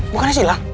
bukannya si ilang